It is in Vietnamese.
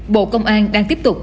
bộ công an đang tiếp tục